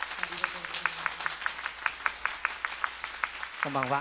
こんばんは。